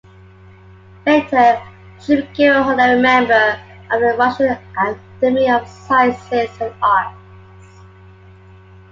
Later, she became an honorary member of the Russian Academy of Sciences and Arts.